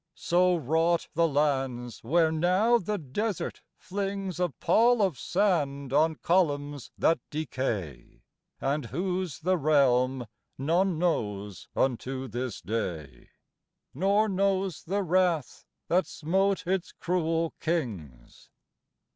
So wrought the lands where now the desert flings A pall of sand on columns that decay; And whose the realm none knows unto this day, Nor knows the Wrath that smote its cruel kings.